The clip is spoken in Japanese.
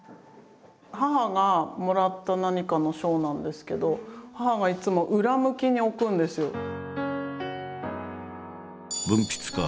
母がもらった何かの賞なんですけど母がいつも裏向きに置くんですよ。